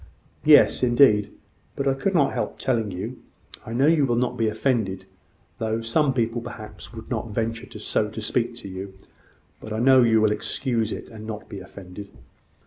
"Yes, indeed. But I could not help telling you. I know you will not be offended; though some people, perhaps, would not venture to speak so to you; but I know you will excuse it, and not be offended."